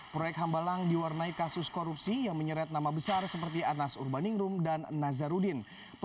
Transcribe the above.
proyek hambalang diwarnai kasus korupsi yang menyeret nama besar seperti anas urbaningrum dan nazarudin